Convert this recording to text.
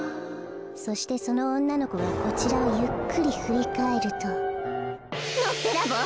そしてそのおんなのこがこちらをゆっくりふりかえるとのっぺらぼう。